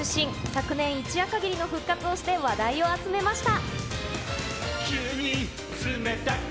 昨年、一夜限りの復活をして話題を集めました。